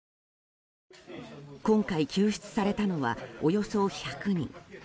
今回救出されたのはおよそ１００人。